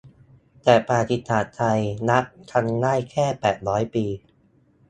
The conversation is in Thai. แต่ประวัติศาสตร์ไทย นับกันได้แค่แปดร้อยปี